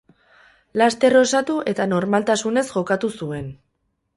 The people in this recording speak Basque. Laster osatu, eta normaltasunez jokatu zuen.